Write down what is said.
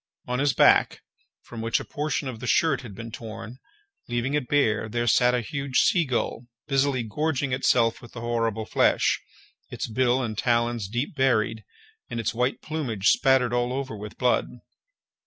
On his back, from which a portion of the shirt had been torn, leaving it bare, there sat a huge sea gull, busily gorging itself with the horrible flesh, its bill and talons deep buried, and its white plumage spattered all over with blood.